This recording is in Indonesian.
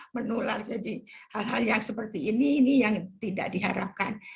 menular jadi hal hal yang seperti ini ini yang tidak diharapkan